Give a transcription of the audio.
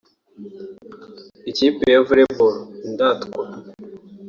ikipi ya Volley Ball (Indatwa)